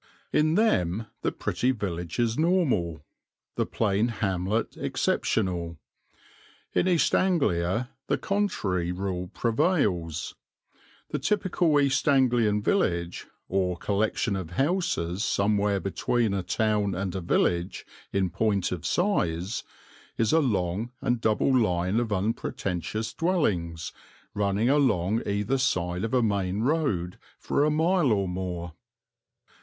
In them the pretty village is normal, the plain hamlet exceptional; in East Anglia the contrary rule prevails. The typical East Anglian village, or collection of houses somewhere between a town and a village in point of size, is a long and double line of unpretentious dwellings running along either side of a main road for a mile or more.